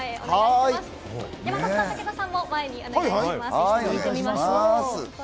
山里さん、武田さんも前にお願いします。